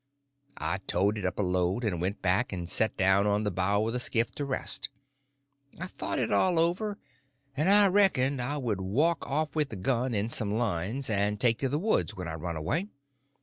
I toted up a load, and went back and set down on the bow of the skiff to rest. I thought it all over, and I reckoned I would walk off with the gun and some lines, and take to the woods when I run away.